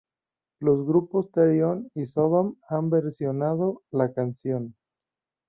Los Grupos Therion y Sodom han Versionado la canción.